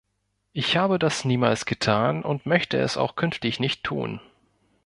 Ich habe das niemals getan und möchte es auch künftig nicht tun.